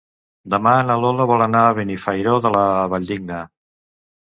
Demà na Lola vol anar a Benifairó de la Valldigna.